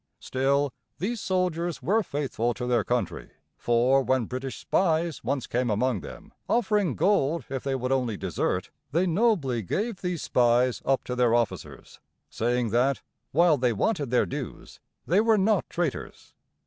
Still, these soldiers were faithful to their country; for when British spies once came among them, offering gold if they would only desert, they nobly gave these spies up to their officers, saying that, while they wanted their dues, they were not traitors.